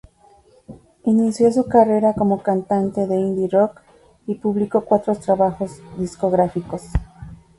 Inició su carrera como cantante de "indie rock" y publicó cuatro trabajos discográficos.